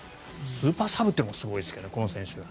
スーパーサブだというのもすごいですけどこの選手。